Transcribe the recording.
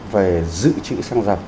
về giữ trị xăng dầu